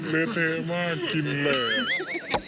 เลเทมากกินแหล่ง